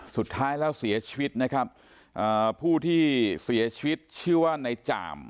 สุดท้ายแล้วเสียชีวิตนะครับอ่าผู้ที่เสียชีวิตชื่อว่าในจ่าม